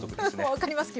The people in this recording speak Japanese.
分かります。